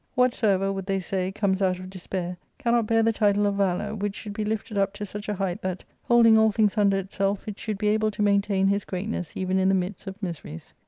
Whatsoever, would they say, comes out of despair cannot bear the title of valour, which should be lifted up to such a height that, holding all things uilder itself, it sh9uld be able to maintain his greatness even in the midst of miseries.